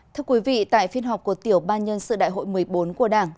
thưa quý vị tại phiên họp của tiểu ban nhân sự đại hội một mươi bốn của đảng